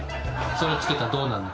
それ付けたらどうなんの？